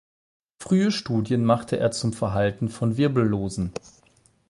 Frühe Studien machte er zum Verhalten von Wirbellosen.